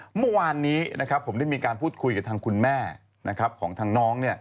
เมื่อวานนี้นะครับผมได้มีการพูดคุยกับทางคุณแม่ของทางน้อง